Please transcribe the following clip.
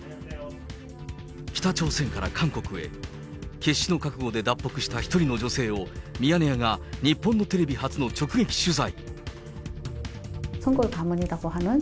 北朝鮮から韓国へ、決死の覚悟で脱北した１人の女性を、ミヤネ屋が日本のテレビ初の直撃取材。